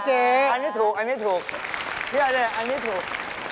ได้ครับเจ๊อันนี้ถูกคิดอะไรอันนี้ถูก